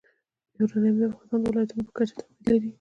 یورانیم د افغانستان د ولایاتو په کچه توپیر لري.